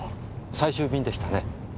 最終便でしたね？